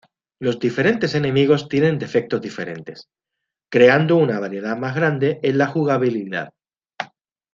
Los diferentes enemigos tienen defectos diferentes, creando una variedad más grande en la jugabilidad.